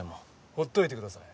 ほっといてください